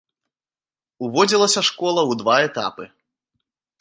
Уводзілася школа ў два этапы.